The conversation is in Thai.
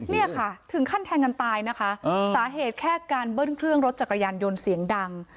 เนี่ยค่ะถึงขั้นแทงกันตายนะคะสาเหตุแค่การเบิ้ลเครื่องรถจักรยานยนต์เสียงดัง